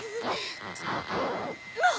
もう！